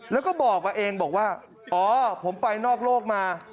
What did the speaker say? แล้วก็บอกมาเองบอกว่าอ๋อผมไปนอกโลกมา